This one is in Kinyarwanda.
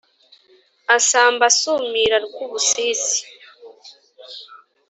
Asamba asumira Rwubusisi,